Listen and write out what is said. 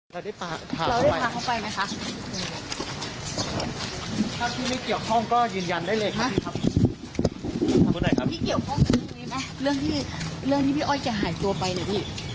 พูดอะไรหน่อยได้ไหมครับ